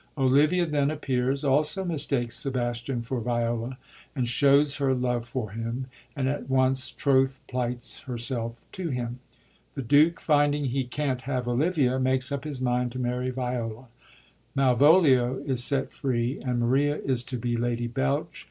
Olivia then appears, also mistakes Sebastian for Viola, and shows her love for him, and at once troth plights herself to him. The Duke, finding he can't have Olivia, makes up his mind to marry Viola; Malvolio is set free, and Maria is to be Lady Belch.